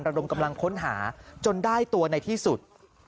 ดมกำลังค้นหาจนได้ตัวในที่สุด